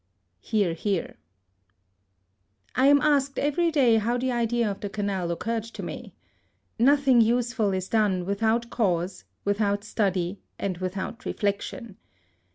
(Hear, hear.) I am asked every day how the idea of the Canal occurred to me. Nothing useful is done without cause, without study, and without reflection.